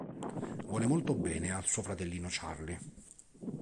Vuole molto bene al suo fratellino Charlie.